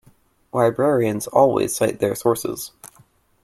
Librarians always cite their sources.